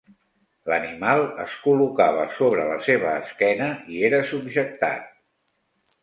L'animal es col·locava sobre la seva esquena i era subjectat.